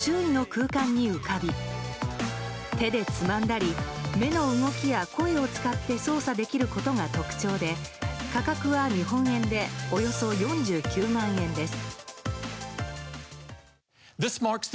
装着すると、アプリやメール動画が、周囲の空間に浮かび手でつまんだり目の動きや声を使って操作できることが特徴で価格は日本円でおよそ４９万円です。